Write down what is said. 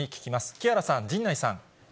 木原さん、陣内さん。